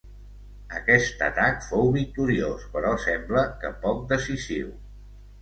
Aquest atac fou victoriós però sembla que poc decisiu.